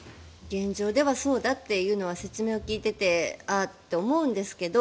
現状ではそうだというのは説明を聞いていてああって思うんですけど